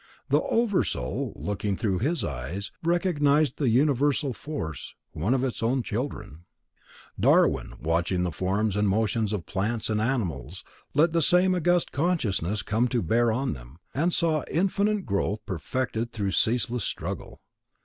The Oversoul, looking through his eyes, recognized the universal force, one of its own children. Darwin, watching the forms and motions of plants and animals, let the same august consciousness come to bear on them, and saw infinite growth perfected through ceaseless struggle.